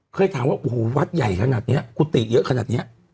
เคยถามว่าวัดใหญ่ขนาดเนี่ยกุฏิเยอะขนาดเนี่ย